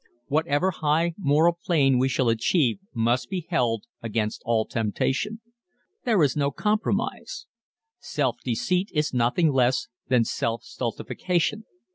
Whatever high moral plane we shall achieve must be held against all temptation. There is no compromise. Self deceit is nothing less than self stultification.